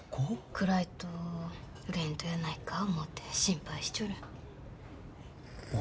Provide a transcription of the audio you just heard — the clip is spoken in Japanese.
暗いと売れんとやないかぁ思うて心配しちょるあ